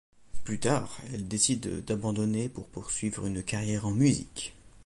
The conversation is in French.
Plus tard, elle décide d'abandonner pour poursuivre une carrière en musique.